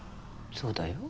そうだよ。